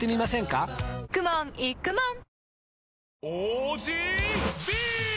かくもんいくもん！